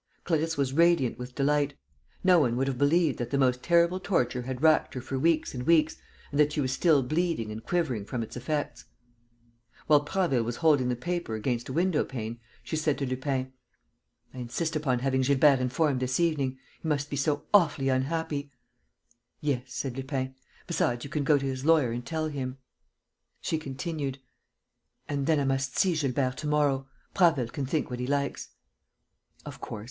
Clarisse was radiant with delight. No one would have believed that the most terrible torture had racked her for weeks and weeks and that she was still bleeding and quivering from its effects. While Prasville was holding the paper against a window pane, she said to Lupin: "I insist upon having Gilbert informed this evening. He must be so awfully unhappy!" "Yes," said Lupin. "Besides, you can go to his lawyer and tell him." She continued: "And then I must see Gilbert to morrow. Prasville can think what he likes." "Of course.